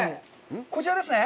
こちらですね。